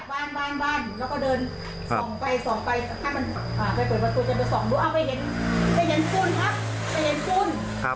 ถ้ามันไปเปิดประตูจะไปส่องดูไปเห็นคุณครับ